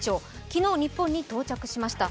昨日、日本に到着しました。